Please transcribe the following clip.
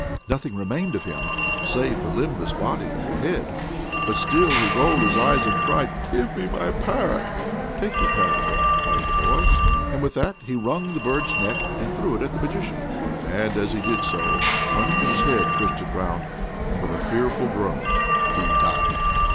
Nothing remained of him save the limbless body and the head; but still he rolled his eyes, and cried, "Give me my parrot!" "Take your parrot, then," cried the boy, and with that he wrung the bird's neck, and threw it at the Magician; and, as he did so, Punchkin's head twisted round, and, with a fearful groan, he died!